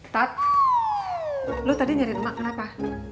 tat lo tadi nyari lemak kenapa